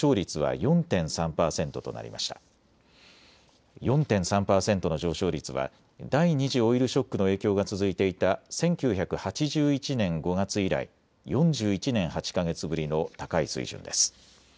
４．３％の上昇率は第２次オイルショックの影響が続いていた１９８１年５月以来４１年８か月ぶりの高い水準です。